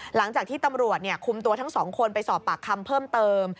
หลังจากที่ตำรวจคุมตัวทั้งสองคนไปสอบปากคำเพิ่มเติม